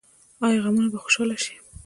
آیا غمونه به خوشحالي شي؟